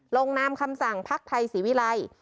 ลงนามคำสั่งพักไทยศรีวิรัย